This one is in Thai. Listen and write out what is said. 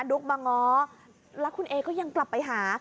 ุ๊กมาง้อแล้วคุณเอก็ยังกลับไปหา